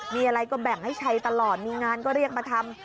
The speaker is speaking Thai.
มีอะไรก็แบ่งให้ใช้ตลอดมีงานก็เรียกมาทำ